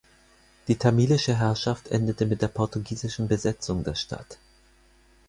Die tamilische Herrschaft endete mit der portugiesischen Besetzung der Stadt.